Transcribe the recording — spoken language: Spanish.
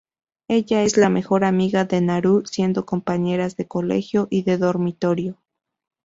Ella es la mejor amiga de Naru, siendo compañeras de colegio y de dormitorio.